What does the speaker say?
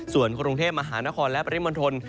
ส่วนกรุงเทพมหานครและปริมณฑล